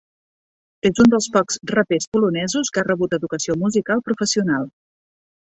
És un dels pocs rapers polonesos que ha rebut educació musical professional.